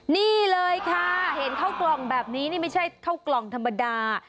นี่เลยค่ะเห็นเข้ากล่องแบบนี้นี่ไม่ใช่เข้ากล่องธรรมดา